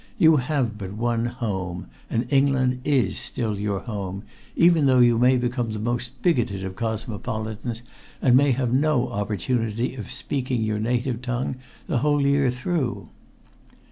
You have but one "home," and England Is still your home, even though you may become the most bigoted of cosmopolitans and may have no opportunity of speaking your native tongue the whole year through.